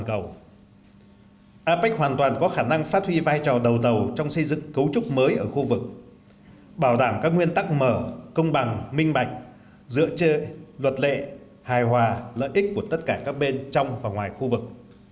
apec hoàn toàn có khả năng phát huy vai trò đầu tàu trong xây dựng cấu trúc mới ở khu vực bảo đảm các nguyên tắc mở công bằng minh bạch dựa trên luật lệ hài hòa lợi ích của tất cả các bên trong và ngoài khu vực